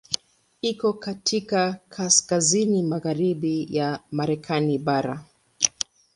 Iko katika kaskazini magharibi ya Marekani bara.